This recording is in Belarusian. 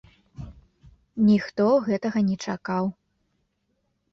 Ніхто гэтага не чакаў.